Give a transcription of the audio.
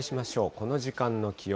この時間の気温。